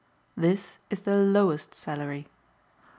This is the lowest salary.